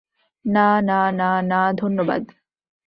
না, না, না, না, ধন্যবাদ।